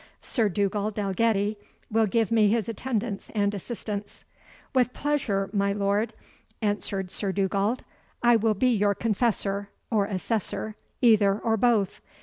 Sir Dugald Dalgetty will give me his attendance and assistance." "With pleasure, my lord," answered Sir Dugald. "I will be your confessor, or assessor either or both.